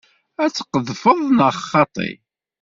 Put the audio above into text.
Ad tqedfeḍ neɣ xaṭi?